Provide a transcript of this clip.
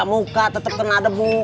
muka tetep kena debu